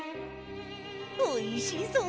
おいしそう！